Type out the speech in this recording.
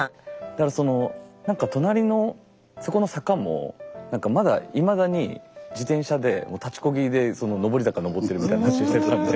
だからその何か隣のそこの坂も何かまだいまだに自転車で立ちこぎでその上り坂上ってるみたいな話をしてたんで。